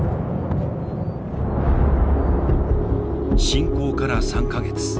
侵攻から３か月。